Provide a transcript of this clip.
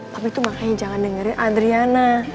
tapi itu makanya jangan dengerin adriana